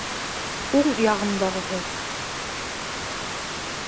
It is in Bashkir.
Уң яғымдағыһы: